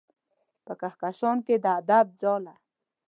په کهکشان کې د ادب ځاله